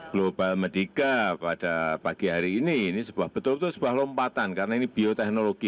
global medica pada pagi hari ini ini betul betul sebuah lompatan karena ini bioteknologi